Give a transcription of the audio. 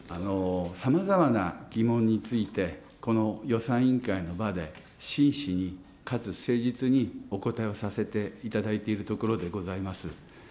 さまざまな疑問について、この予算委員会の場で、真摯に、かつ誠実にお答えさせていただいているところでございます。